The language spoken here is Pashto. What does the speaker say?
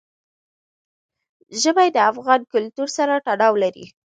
ژمی د افغان کلتور سره تړاو لري.